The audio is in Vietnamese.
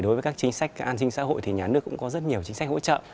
đối với các chính sách an sinh xã hội thì nhà nước cũng có rất nhiều chính sách hỗ trợ